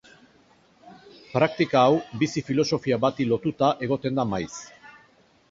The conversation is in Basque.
Praktika hau bizi-filosofia bati lotuta egoten da maiz.